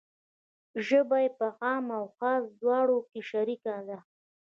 ژبه یې په عام و خاص دواړو کې شریکه ده.